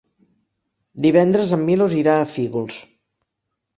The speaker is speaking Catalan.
Divendres en Milos irà a Fígols.